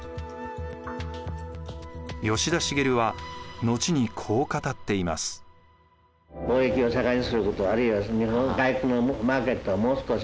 吉田茂は後にこう語っています。